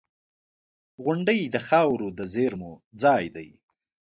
• غونډۍ د خاورو د زېرمو ځای دی.